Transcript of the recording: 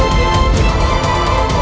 aku ingin menangkapmu